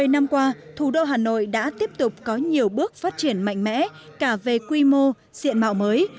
một mươi năm qua thủ đô hà nội đã tiếp tục có nhiều bước phát triển mạnh mẽ cả về quy mô diện mạo mới